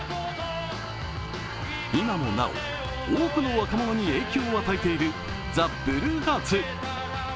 今もなお、多くの若者に影響を与えているＴＨＥＢＬＵＥＨＥＡＲＴＳ。